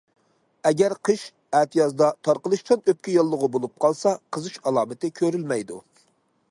ئەگەر قىش، ئەتىيازدا تارقىلىشچان ئۆپكە ياللۇغى بولۇپ قالسا قىزىش ئالامىتى كۆرۈلمەيدۇ.